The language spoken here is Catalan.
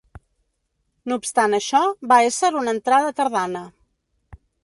No obstant això, va ésser una entrada tardana.